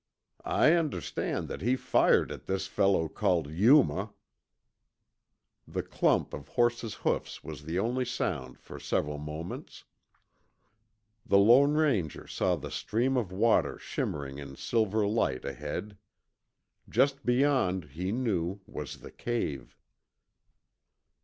I understand that he fired at this fellow called Yuma." The clump of horses' hoofs was the only sound for several moments. The Lone Ranger saw the stream of water shimmering in silver light ahead. Just beyond, he knew, was the cave.